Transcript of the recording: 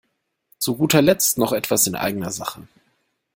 Zu guter Letzt noch etwas in eigener Sache.